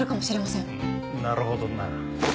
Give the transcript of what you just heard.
うんなるほどな。